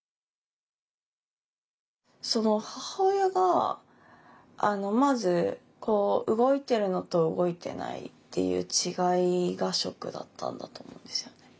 その母親がまず動いてるのと動いてないっていう違いがショックだったんだと思うんですよね。